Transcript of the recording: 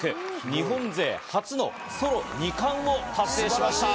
日本勢初のソロ二冠を達成しました。